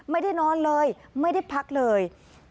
ไม่ได้นอนเลยไม่ได้พักเลย